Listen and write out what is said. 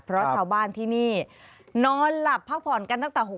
เพราะว่าชาวบ้านที่นี่นอนหลับพักผ่อนกันตั้งแต่๖โมงเย็นค่ะ